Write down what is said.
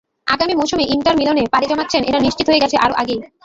আগামী মৌসুমে ইন্টার মিলানে পাড়ি জমাচ্ছেন এটা নিশ্চিত হয়ে গেছে আরও আগেই।